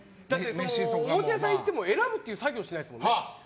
おもちゃ屋さん行っても選ぶって作業しないですからね。